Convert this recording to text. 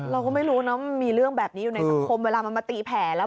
เราก็ไม่รู้นะมันมีเรื่องแบบนี้อยู่ในสังคมเวลามันมาตีแผลแล้ว